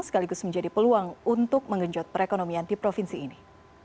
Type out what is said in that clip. sekaligus menjadi peluang untuk menggenjot perekonomian di provinsi ini